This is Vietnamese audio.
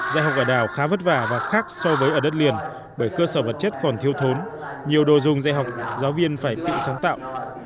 dạy học ở đảo khá vất vả và khác so với ở đất liền bởi cơ sở vật chất còn thiêu thốn nhiều đồ dùng dạy học giáo viên phải tự sáng tạo